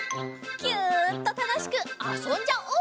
ギュッとたのしくあそんじゃおう。